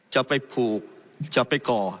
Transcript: จะไปผูกจะไปก่อ